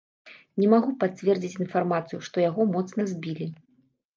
Не магу пацвердзіць інфармацыю, што яго моцна збілі.